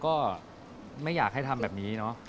ก็ไม่อยากให้ทำแบบนี้เนอะ